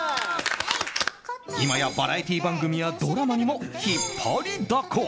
今や、バラエティー番組やドラマにも引っ張りだこ。